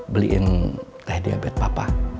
beliin teh diabetes papa